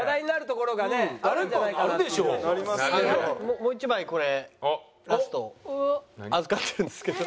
もう１枚これラスト預かってるんですけど。